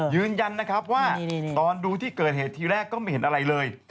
ยืนยันนะครับว่าตอนดูที่เกิดเหตุทีแรกก็ไม่เห็นอะไรเลย